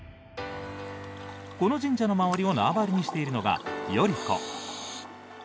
この神社の周りを縄張りにしているのが頼子。